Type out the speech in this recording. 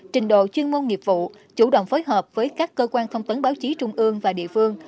trình độ chuyên môn nghiệp vụ chủ động phối hợp với các cơ quan thông tấn báo chí trung ương và địa phương